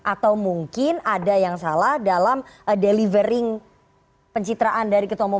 atau mungkin ada yang salah dalam delivering pencitraan dari ketua umum